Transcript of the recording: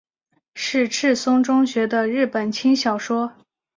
是赤松中学的日本轻小说。